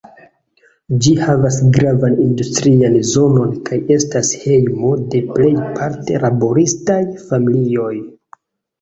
Ĝi havas gravan industrian zonon kaj estas hejmo de plejparte laboristaj familioj.